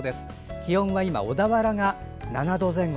気温は今、小田原が７度前後。